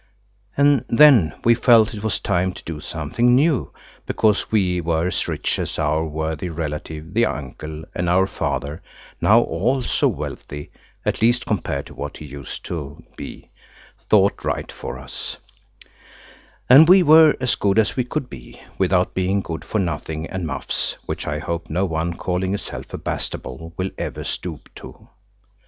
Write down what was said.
And then we felt it was time to do something new, because we were as rich as our worthy relative, the uncle, and our Father–now also wealthy, at least, compared to what he used to be–thought right for us; and we were as good as we could be without being good for nothing and muffs, which I hope no one calling itself a Bastable will ever stoop to.